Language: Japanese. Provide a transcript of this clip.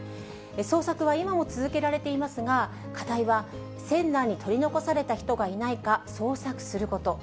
捜索は今も続けられていますが、課題は船内に取り残された人がいないか捜索すること。